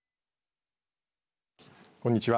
こんにちは。